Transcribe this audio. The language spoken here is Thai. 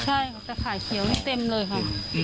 ชนิดเดียวกันค่ะใช่แต่ขายเขียวให้เต็มเลยค่ะ